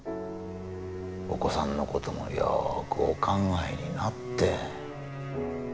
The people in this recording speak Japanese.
お子さんの事もよーくお考えになって。